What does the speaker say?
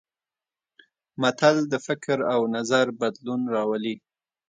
متل د فکر او نظر بدلون راولي